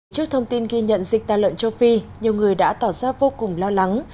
trước thông tin ghi nhận dịch tà lợn châu phi nhiều người đã tỏ ra vô cùng lo lắng